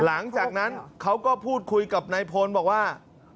หลังจากนั้นเขาก็พูดคุยกับนายพลบอกว่า